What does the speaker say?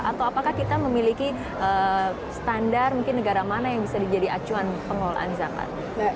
atau apakah kita memiliki standar mungkin negara mana yang bisa dijadikan acuan pengelolaan zakat